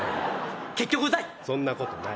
そんなことない。